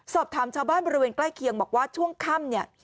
สอบถามชาวบ้านบริเวณใกล้เคียงบอกว่าช่วงค่ำเนี่ย